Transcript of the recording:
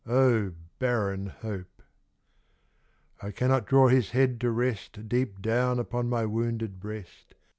O barren hope ! I cannot draw his head to rest Deep down upon my wounded breast